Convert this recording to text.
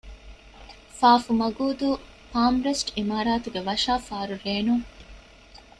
ފ. މަގޫދޫ ޕާމްރެސްޓް ޢިމާރާތުގެ ވަށާފާރު ރޭނުން